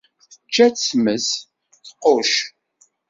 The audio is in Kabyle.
Tečča-tt tmes, tqucc!